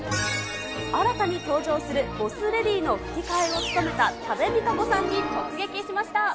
新たに登場するボス・レディの吹き替えを務めた多部未華子さんに突撃しました。